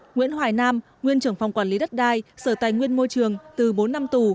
nguyễn hoài nam nguyên trưởng phòng quản lý đất đai sở tài nguyên môi trường từ bốn năm tù